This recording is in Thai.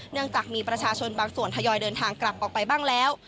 จากมีประชาชนบางส่วนทยอยเดินทางกลับออกไปบ้างแล้ว